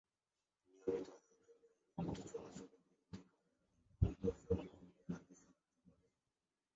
নিয়মিত হালকা ব্যায়াম রক্ত চলাচলের উন্নতি করে, এবং রক্তচাপ কমিয়ে রাখতে সাহায্য করে।